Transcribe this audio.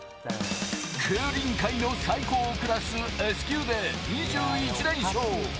競輪界の最高クラスＳ級で２１連勝。